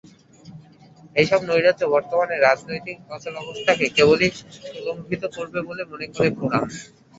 এসব নৈরাজ্য বর্তমান রাজনৈতিক অচলাবস্থাকে কেবলই প্রলম্বিত করবে বলে মনে করে ফোরাম।